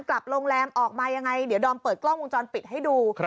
กลับโรงแรมออกมายังไงเดี๋ยวดอมเปิดกล้องวงจรปิดให้ดู